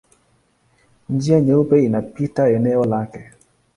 Njia Nyeupe inapita eneo lake.